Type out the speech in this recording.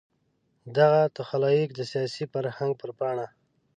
دغه تخلیق د سیاسي فرهنګ پر پاڼه.